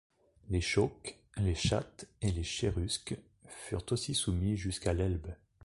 Les Chauques, les Chattes et les Chérusques furent aussi soumis jusqu'à l'Elbe.